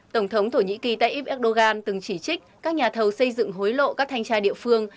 tổng thống thổ nhĩ kỳ tayyip erdogan từng chỉ trích các nhà thầu xây dựng hối lộ các thanh tra địa phương